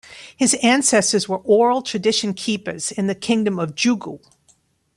His ancestors were oral tradition keepers in the kingdom of Djougou.